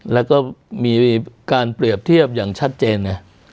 แล้วก็มีการเปรียบเทียบอย่างชัดเจนไง